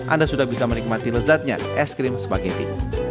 anda sudah bisa menikmati lezatnya es krim spaghetti